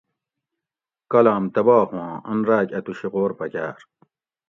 کالام تباہ ھُواں ان راۤک اۤتوشی غور پکاۤر